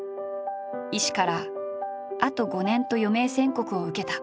医師から「あと５年」と余命宣告を受けた。